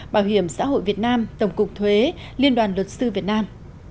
bảo hiểm xã hội việt nam tổng cục thuế liên đoàn luật sư việt nam